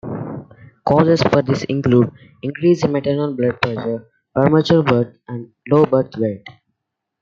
Causes for this include increased maternal blood pressure, premature birth and low birth weight.